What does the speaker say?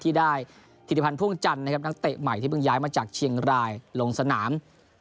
ที่ได้ธิริพันธ์พ่วงจันทร์นะครับนักเตะใหม่ที่เพิ่งย้ายมาจากเชียงรายลงสนาม